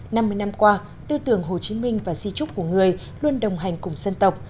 năm mươi năm qua tư tưởng hồ chí minh và di trúc của người luôn đồng hành cùng dân tộc